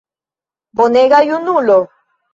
Bonega junulo!